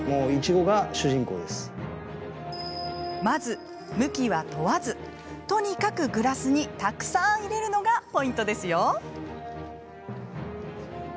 まず向きは問わずとにかくグラスにたくさん入れるのがポイントですよ。